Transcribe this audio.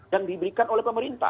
yang diberikan oleh pemerintah